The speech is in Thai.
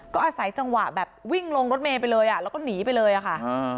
ก็อาศัยจังหวะแบบวิ่งลงรถเมย์ไปเลยอ่ะแล้วก็หนีไปเลยอะค่ะ